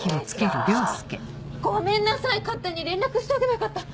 ごめんなさい勝手に連絡しておけばよかった。